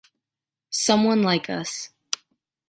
Someone like us.